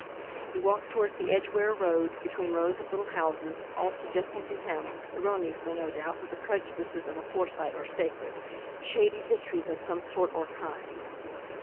He walked towards the Edgware Road, between rows of little houses, all suggesting to him (erroneously no doubt, but the prejudices of a Forsyte are sacred) shady histories of some sort or kind.